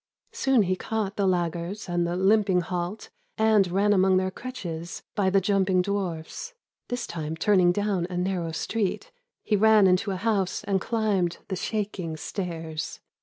Soon he caught the laggards and the limping halt 64 " Laughing Lions Will Come." And ran among their crutches By the jumping dwarfs. This time turning down a narrow street He ran into a house And chmbcd the shaking stairs.